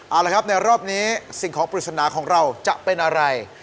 เอาละครับในรอบนี้สิ่งของปริศนาของเราจะเป็นอะไร